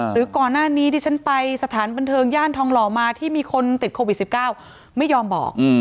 หรือก่อนหน้านี้ที่ฉันไปสถานบันเทิงย่านทองหล่อมาที่มีคนติดโควิด๑๙ไม่ยอมบอก